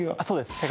そうです。